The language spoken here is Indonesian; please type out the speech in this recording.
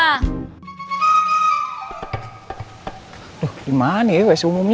aduh dimana ya si umumnya